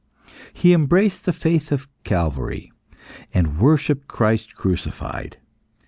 He embraced the faith of Calvary, and worshipped Christ crucified.